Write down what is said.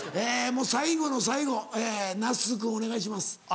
もう最後の最後那須君お願いします。